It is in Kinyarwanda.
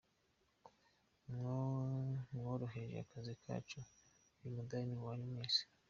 Mworoheje akazi kacu, uyu mudali ni uwanyu mwese.